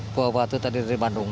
buah batu tadi dari bandung